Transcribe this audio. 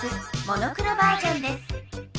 モノクロバージョンです。